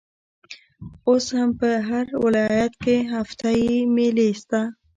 اوس هم په هر ولايت کښي هفته يي مېلې سته.